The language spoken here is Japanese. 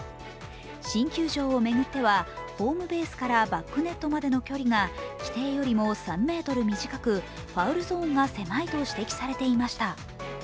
新球場を巡ってはホームベースからバックネットまでの距離が規定よりも３ｍ短くファウルゾーンが狭いと指摘されていました。